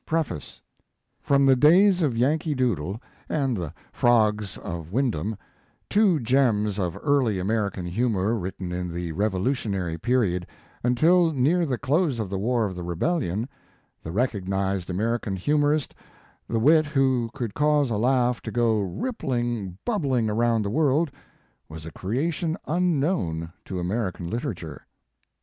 PREFACE, From the days of "Yankee Doodle" and the Frogs of Windham," two gems of early American humor written in the Revolutionary period, until near the close of the war of the Rebellion, the recog nized American humorist, the wit who could cause a laugh to go Tippling, bub bling around the world, was a creation unknown to American literature.